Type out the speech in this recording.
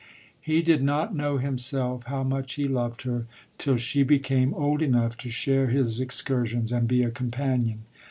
He did not know himself how much he loved her, till she became old enough to share his ex cursions and be a companion.